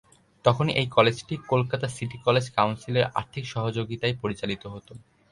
তখন এই কলেজটি কলকাতা সিটি কলেজ কাউন্সিলের আর্থিক সহযোগিতায় পরিচালিত হতো।